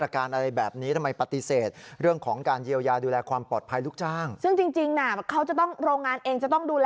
คนที่ออกคำสั่งนั่นแหละ